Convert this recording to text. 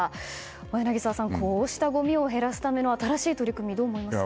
柳澤さん、こうしたごみを減らすための新しい取り組みどう思いますか？